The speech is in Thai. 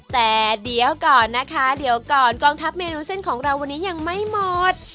แต่เดี๋ยวก่อนนะคะเดี๋ยวก่อนกองทัพเมนูเส้นของเราวันนี้ยังไม่หมด